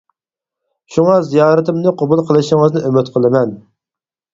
شۇڭا زىيارىتىمنى قوبۇل قىلىشىڭىزنى ئۈمىد قىلىمەن.